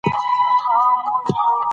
افغانستان کې د کلیو د پرمختګ هڅې شته.